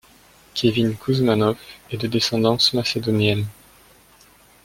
Kevin Kouzmanoff est de descendance macédonienne.